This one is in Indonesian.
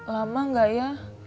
lama gak ya